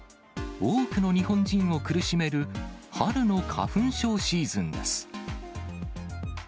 多くの日本人を苦しめる春の花粉症シーズンです。